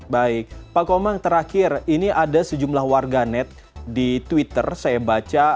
baik pak komang terakhir ini ada sejumlah warganet di twitter saya baca